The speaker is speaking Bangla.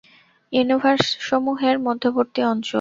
ইউনিভার্সসমূহের মধ্যবর্তী অঞ্চল।